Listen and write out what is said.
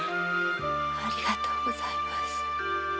ありがとうございます。